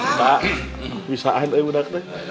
nggak bisaan ya budak budaknya